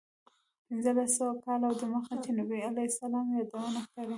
پنځلس سوه کاله دمخه چې نبي علیه السلام یادونه کړې.